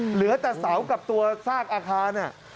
เหลือแต่เสากับตัวซากอาคาร